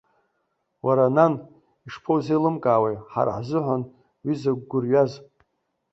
Уара, нан, ишԥаузеилымкаауеи, ҳара ҳзыҳәан уи закә гәырҩаз.